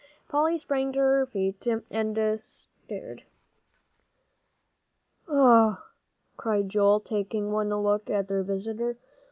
Polly sprang to her feet and stared. "Ugh!" cried Joel, taking one look at their visitor.